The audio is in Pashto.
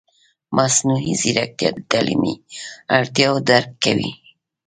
مصنوعي ځیرکتیا د تعلیمي اړتیاوو درک کوي.